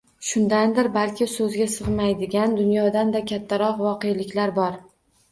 Shundandir balki soʻzga sigʻmaydigan, dunyodan-da kattaroq voqeliklar bor.